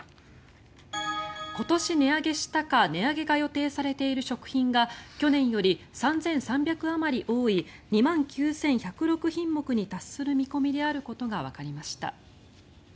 今年値上げしたか値上げが予定されている食品が去年より３３００あまり多い２万９１０６品目に達する見込みであることがわかりました。